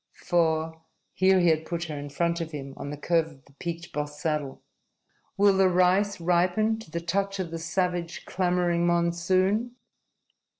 For" here he had put her in front of him, on the curve of the peaked, bossed saddle "will the rice ripen to the touch of the savage, clamoring monsoon?"